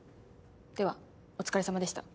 ではお疲れさまでした。